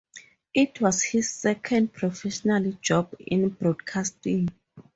It was his second professional job in broadcasting.